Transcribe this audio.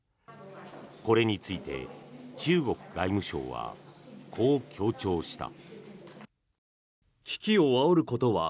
これについて中国外務省はこう強調した。